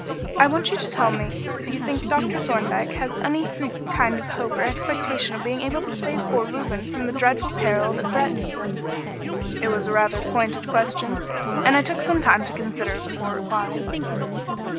I want you to tell me if you think Dr. Thorndyke has any kind of hope or expectation of being able to save poor Reuben from the dreadful peril that threatens him." This was a rather pointed question, and I took some time to consider it before replying.